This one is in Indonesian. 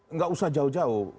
nggak usah jauh jauh